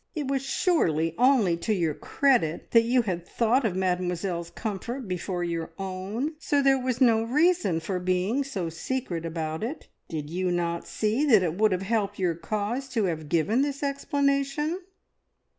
It was surely only to your credit that you had thought of Mademoiselle's comfort before your own, so there was no reason for being so secret about it. Did you not see that it would have helped your cause to have given this explanation?"